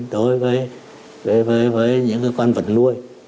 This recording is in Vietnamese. đối với những con vật nuôi